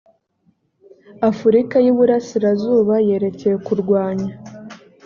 afurika y iburasirazuba yerekeye kurwanya